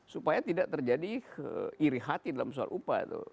supaya tidak terjadi iri hati dalam soal upah